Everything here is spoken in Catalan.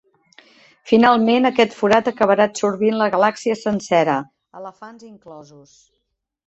Finalment, aquest forat acabarà absorbint la galàxia sencera, elefants inclosos.